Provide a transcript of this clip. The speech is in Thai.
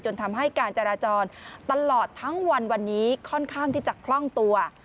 ทำให้การจราจรตลอดทั้งวันวันนี้ค่อนข้างที่จะคล่องตัว